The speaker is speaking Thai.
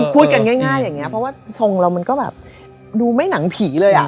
เพราะว่าทรงเราดูไม่หนังผีเลย